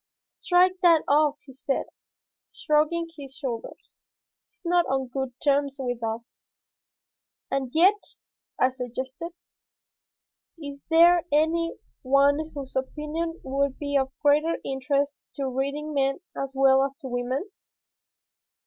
"Strike that off," he said, shrugging his shoulders. "He is not on good terms with us." "And yet," I suggested, "is there any one whose opinion would be of greater interest to reading men as well as to women?